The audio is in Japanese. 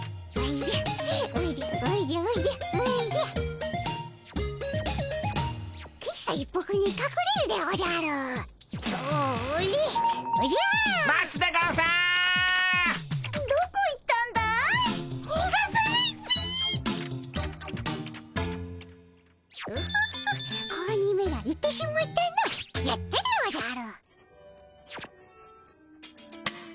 やったでおじゃる。